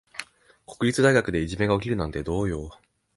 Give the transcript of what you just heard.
国立大学でいじめが起きるなんてどうよ。